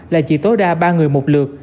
là chỉ tối đa ba người một lượt